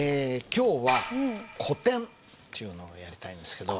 今日は古典っちゅうのをやりたいんですけど。